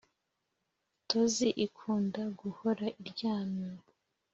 Tozi ikunda guhora iryamye